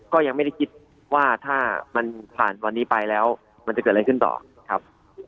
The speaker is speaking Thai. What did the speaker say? ก็ยังไม่ได้คิดว่าถ้ามันผ่านวันนี้ไปแล้วมันจะเกิดอะไรขึ้นต่อครับ